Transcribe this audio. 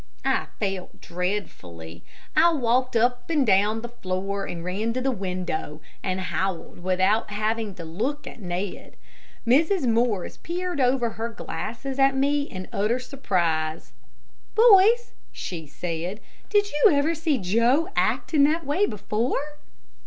I felt dreadfully. I walked up and down the floor and ran to the window, and howled without having to look at Ned. Mrs. Morris peered over her glasses at me in utter surprise. "Boys," she said, "did you ever see Joe act in that way before?"